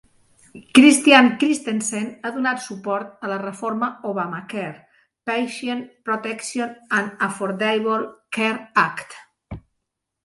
Christian-Christensen ha donat suport a la reforma Obamacare (Patient Protection and Affordable Care Act).